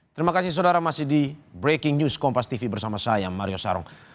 terima kasih saudara masih di breaking news kompas tv bersama saya mario sarung